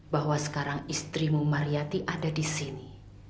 bahwa sekarang istrimu mariyati ada di sini